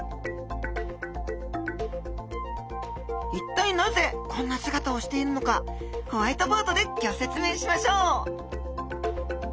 一体なぜこんな姿をしているのかホワイトボードでギョ説明しましょう！